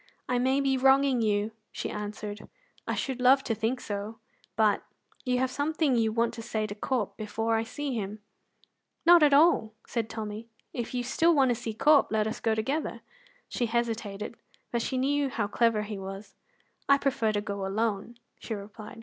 "I may be wronging you," she answered; "I should love to think so; but you have something you want to say to Corp before I see him." "Not at all," Tommy said; "if you still want to see Corp, let us go together." She hesitated, but she knew how clever he was. "I prefer to go alone," she replied.